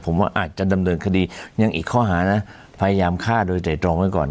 ผมว่าอาจจะดำเนินคดียังอีกข้อหานะพยายามฆ่าโดยแต่ตรองไว้ก่อน